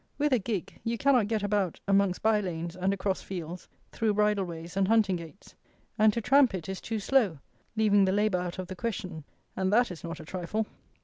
With a gig you cannot get about amongst bye lanes and across fields, through bridle ways and hunting gates; and to tramp it is too slow, leaving the labour out of the question, and that is not a trifle.